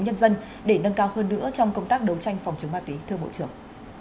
để nâng cao hơn nữa trong công tác đấu tranh phòng chống ma túy thưa bộ trưởng